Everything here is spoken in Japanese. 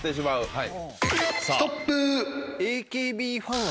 はい。